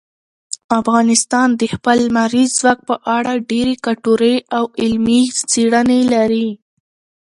افغانستان د خپل لمریز ځواک په اړه ډېرې ګټورې او علمي څېړنې لري.